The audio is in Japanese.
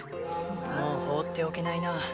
もう放っておけないな。